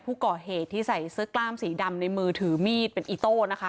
ผู้ก่อเหตุที่ใส่เสื้อกล้ามสีดำในมือถือมีดเป็นอีโต้นะคะ